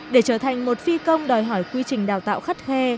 để trở thành một phi công đòi hỏi quy trình đào tạo khắt khe